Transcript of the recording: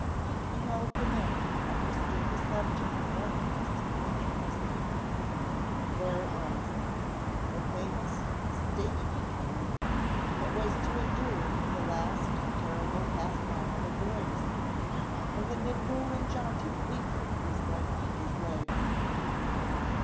He held the men who understood the subject breathless with interest. There it was! the famous "staying power" that was to endure in the last terrible half mile of the race, when the nimble and jaunty Fleetwood was run off his legs.